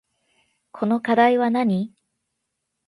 この課題はなに